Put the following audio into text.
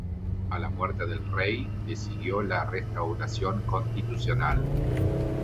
A la muerte del rey, le siguió la restauración constitucional.